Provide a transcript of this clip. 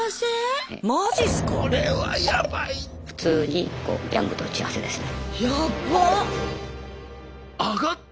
普通にギャングと打ち合わせですね。